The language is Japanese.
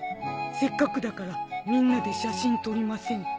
せっかくだからみんなで写真撮りませんか？